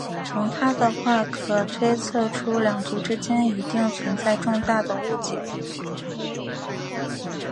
从她的话可推测出两族之间一定存在重大的误解。